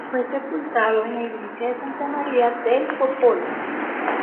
Fue sepultado en la iglesia de Santa Maria del Popolo.